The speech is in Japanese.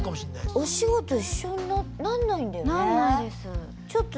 お仕事一緒になんないんだよね。